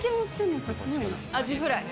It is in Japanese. アジフライ。